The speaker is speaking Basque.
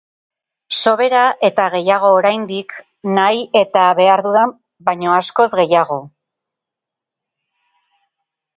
Sobera eta gehiago oraindik, nahi eta behar dudan baino askoz gehiago.